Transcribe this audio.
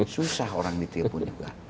susah orang ditelepon juga